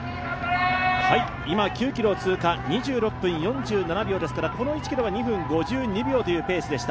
今９ｋｍ通過２６分４７秒ですからこの１ｋｍは２分５２秒というペースでした。